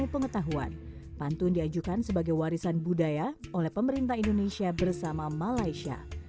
pengetahuan pantun diajukan sebagai warisan budaya oleh pemerintah indonesia bersama malaysia